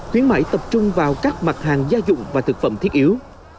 khuyến mại tập trung vào các mặt hàng gia dụng và thực phẩm thiết yếu